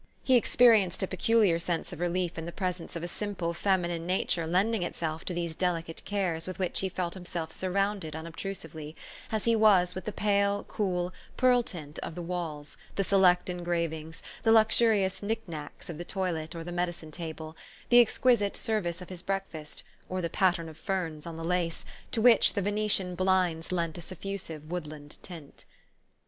He experienced a peculiar sense of relief in the presence of a simple feminine nature lending itself to these delicate cares with which he felt himself surrounded unobtrusively, as he was with the pale, cool pearl tint of the walls, the select engravings, the luxurious knick knacks of the toilet or the medicine table, the exquisite service of his breakfast, or the pattern of ferns on the lace, to which the Venetian blinds lent a suifusive wood land tint.